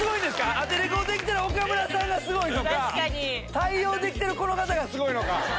アテレコできる岡村さんか対応できるこの方がすごいのか。